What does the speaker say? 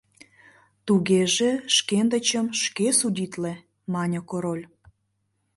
— Тугеже шкендычым шке судитле, — мане король.